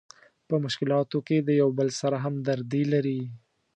په مشکلاتو کې د یو بل سره همدردي لري.